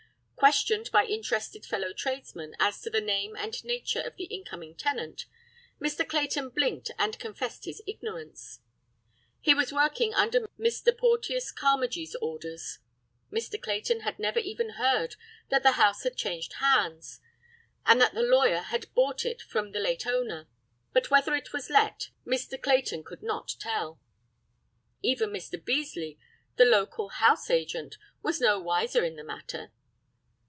Questioned by interested fellow tradesmen as to the name and nature of the incoming tenant, Mr. Clayton blinked and confessed his ignorance. He was working under Mr. Porteus Carmagee's orders. Mr. Clayton had even heard that the house had changed hands, and that the lawyer had bought it from the late owner, but whether it was let, Mr. Clayton could not tell. Even Mr. Beasely, the local house agent, was no wiser in the matter.